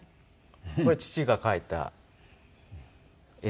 これ父が描いた絵です。